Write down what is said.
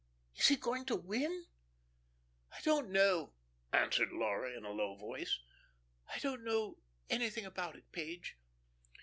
Is he going to win?" "I don't know," answered Laura, in a low voice; "I don't know anything about it, Page."